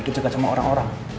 itu cekat sama orang orang